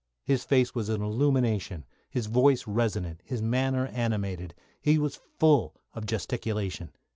His face was an illumination; his voice resonant; his manner animated; he was full of gesticulation.